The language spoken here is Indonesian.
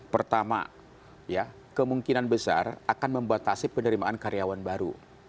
pertama kemungkinan besar akan membatasi penerimaan karyawan baru